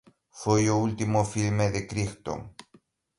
Foi o último filme de Crichton.